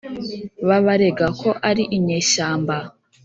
babarega ko ari inyeshyamba